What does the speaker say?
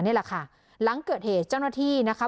นี่แหละค่ะหลังเกิดเหตุเจ้าหน้าที่นะคะ